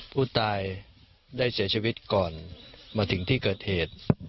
ผู้ตายได้เสียชีวิตก่อนมาถึงที่เกิดเหตุ